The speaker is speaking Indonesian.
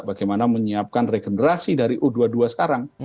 bagaimana menyiapkan regenerasi dari u dua puluh dua sekarang